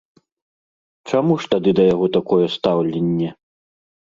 Чаму ж тады да яго такое стаўленне?